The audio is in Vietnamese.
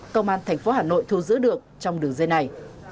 công an tp hà nội thu giữ được trong đường dây này